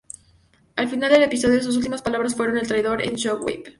Al final del episodio sus últimas palabras fueron "El traidor es Shockwave".